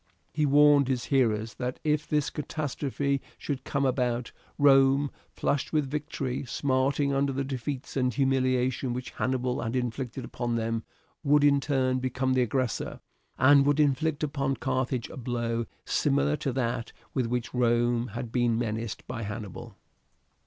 He warned his hearers that if this catastrophe should come about, Rome, flushed with victory, smarting under the defeats and humiliation which Hannibal had inflicted upon them, would in turn become the aggressor, and would inflict upon Carthage a blow similar to that with which Rome had been menaced by Hannibal.